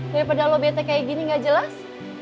daripada lo bete kayak gini gak jelas